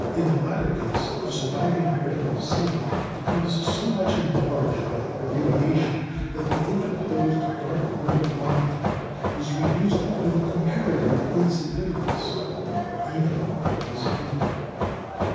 In the latter case, the surviving ring of sunlight becomes so much enlarged by irradiation, that the interposed dark lunar body is reduced to comparative insignificance, or even invisibility.